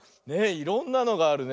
いろんなのがあるね。